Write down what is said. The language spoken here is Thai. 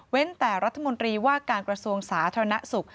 เว้นแต่รัฐมนตรีว่าการกระทรวงศาสตร์ธนสุข